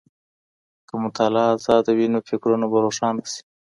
که مطالعه ازاده وي، نو فکرونه به روښانه سي.